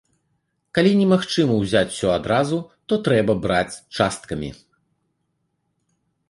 Калі немагчыма ўзяць усё адразу, то трэба браць часткамі.